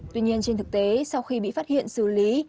tuy nhiên trên thực tế sau khi bị phát hiện xử lý